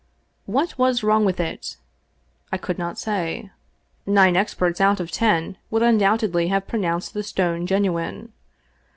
What was wrong with it? I could not say. Nine experts out of ten would undoubtedly have pronounced the stone genuine.